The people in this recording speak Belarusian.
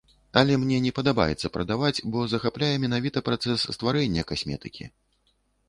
Але мне не падабаецца прадаваць, бо захапляе менавіта працэс стварэння касметыкі.